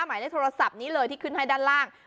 หมายเลขโทรศัพท์นี้เลยที่ขึ้นให้ด้านล่าง